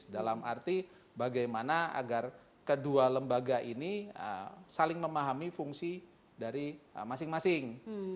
dalam arti bagaimana agar kedua lembaga ini saling memahami fungsi dari masing masing